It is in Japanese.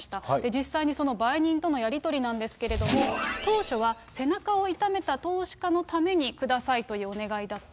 実際にその売人とのやり取りなんですけれども、当初は背中を痛めた投資家のために下さいというお願いだった。